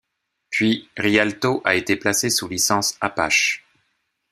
Puis, Rialto a été placé sous licence Apache.